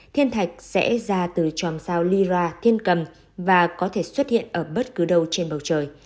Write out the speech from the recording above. thiên thạch sẽ ra từ tròm sao lira thiên cầm và có thể xuất hiện ở bất cứ đâu trên bầu trời